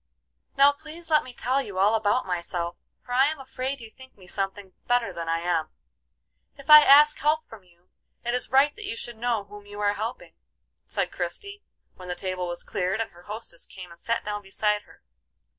"Now please let me tell you all about myself, for I am afraid you think me something better than I am. If I ask help from you, it is right that you should know whom you are helping," said Christie, when the table was cleared and her hostess came and sat down beside her.